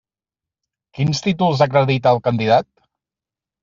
Quins títols acredita el candidat?